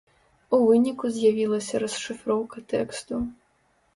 У выніку з'явілася расшыфроўка тэксту.